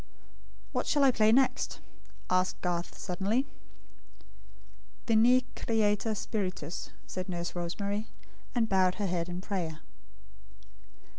"What shall I play next?" asked Garth, suddenly. "Veni, Creator Spiritus," said Nurse Rosemary; and bowed her head in prayer.